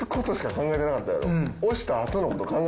考えてなかった。